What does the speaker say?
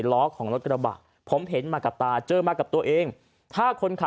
ล้อของรถกระบะผมเห็นมากับตาเจอมากับตัวเองถ้าคนขับ